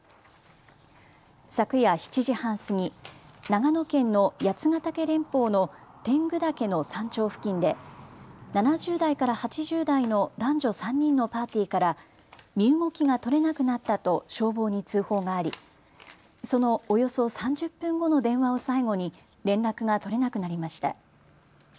昨夜７時半過ぎ、長野県の八ヶ岳連峰の天狗岳の山頂付近で７０代から８０代の男女３人のパーティーから身動きが取れなくなったと消防に通報がありそのおよそ３０分後の電話を最後に連絡が取れなくなりました。